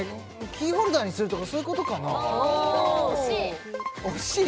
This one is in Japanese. キーホルダーにするとかそういうことかなああ惜しい！